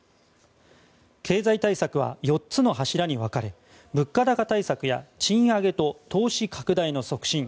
経済対策は４つの柱に分かれ物価高対策や賃上げと投資拡大の促進。